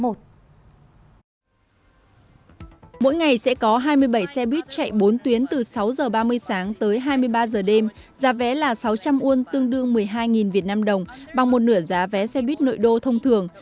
mỗi ngày sẽ có hai mươi bảy xe buýt chạy bốn tuyến từ sáu h ba mươi sáng tới hai mươi ba giờ đêm giá vé là sáu trăm linh won tương đương một mươi hai vnđ bằng một nửa giá vé xe buýt nội đô thông thường